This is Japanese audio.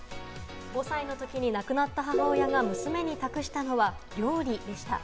５歳の時に亡くなった母親が娘に託したのは料理でした。